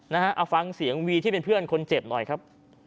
นะฮะเอาฟังเสียงวีที่เป็นเพื่อนคนเจ็บหน่อยครับ